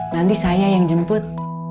nanti saya yang jemput